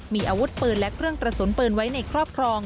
มีอาวุธปืนและเครื่องกระสุนปืนไว้ในครอบครอง